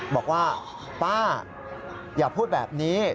บอกว่าป้าอย่าพูดแบบนี้